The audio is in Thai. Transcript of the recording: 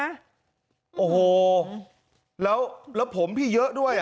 โอ้โหแล้วผมพี่เยอะด้วย